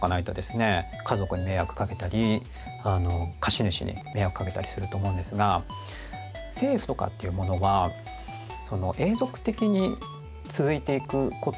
家族に迷惑かけたり貸主に迷惑かけたりすると思うんですが政府とかっていうものは永続的に続いていくことを前提にですね